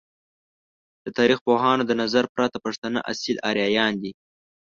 د تاریخ پوهانو د نظر پرته ، پښتانه اصیل آریایان دی!